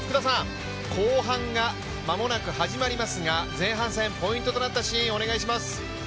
後半が間もなく始まりますが前半戦、ポイントとなったシーンお願いします。